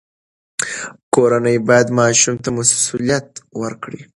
کورنۍ باید ماشوم ته مسوولیت ورکړي.